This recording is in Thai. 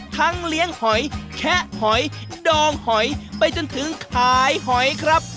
เลี้ยงหอยแคะหอยดองหอยไปจนถึงขายหอยครับ